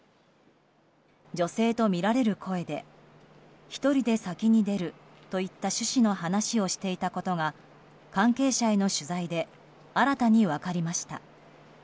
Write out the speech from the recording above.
女性とみられる声で１人で先に出るといった趣旨の話をしていたことが関係者への取材で新たに分かりました。